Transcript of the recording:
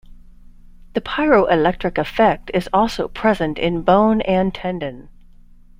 The pyroelectric effect is also present in bone and tendon.